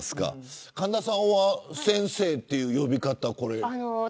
神田さんは先生という呼び方は。